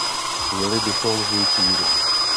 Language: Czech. Měli bychom mít víru.